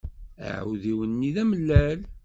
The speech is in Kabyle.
Aɛudiw-nni d amellal.